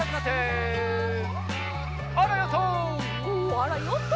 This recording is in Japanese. あらヨット！